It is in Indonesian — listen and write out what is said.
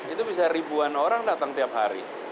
itu bisa ribuan orang datang tiap hari